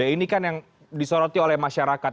ini kan yang disoroti oleh masyarakat